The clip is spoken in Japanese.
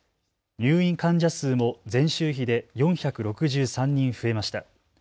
入院患者数も前週比で４６３人増えました。